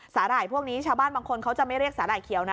หร่ายพวกนี้ชาวบ้านบางคนเขาจะไม่เรียกสาหร่ายเขียวนะ